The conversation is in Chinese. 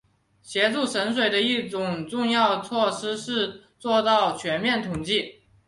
协助省水的一项重要措施是做到全面统计。